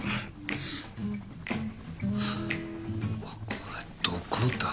これどこだ？